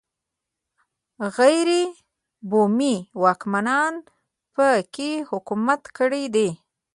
غیر بومي واکمنانو په کې حکومت کړی دی